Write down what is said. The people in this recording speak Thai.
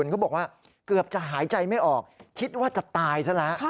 เขาบอกว่าเกือบจะหายใจไม่ออกคิดว่าจะตายซะแล้ว